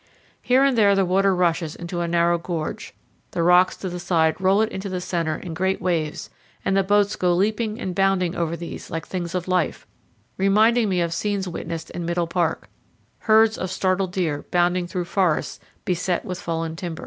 Here and there the water rushes into a narrow gorge; the rocks on the side roll it into the center in great waves, and the boats go leaping and bounding over these like things of life, reminding me of scenes witnessed in Middle Park herds of startled deer bounding through forests beset with fallen timber.